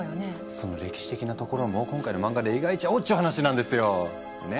その歴史的なところも今回の漫画で描いちゃおうっちゅう話なんですよ。ね？